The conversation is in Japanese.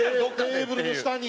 テーブルの下に？